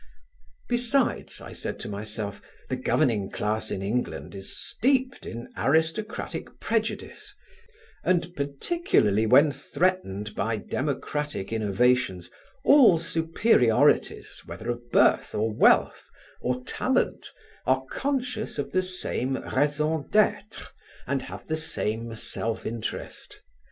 Besides, I said to myself, the governing class in England is steeped in aristocratic prejudice, and particularly when threatened by democratic innovations, all superiorities, whether of birth or wealth, or talent, are conscious of the same raison d'être and have the same self interest.